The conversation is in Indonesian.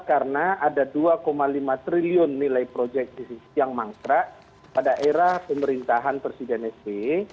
karena ada dua lima triliun nilai proyek yang mangkrak pada era pemerintahan presiden sp